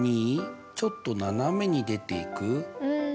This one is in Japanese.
うん。